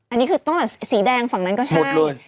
อันนี้คือต้นสีแดงฝั่งนั้นก็ใช่หมดเลย